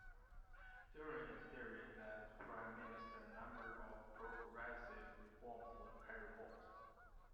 During his periods as Prime Minister, a number of progressive reforms were carried out.